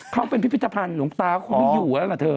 เขาเป็นพิพิธภัณฑ์หลวงตาคงไม่อยู่แล้วล่ะเธอ